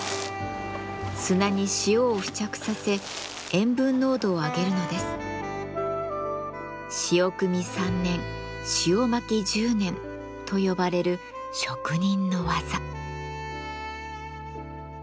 砂に塩を付着させ塩分濃度を上げるのです。と呼ばれる職人の技。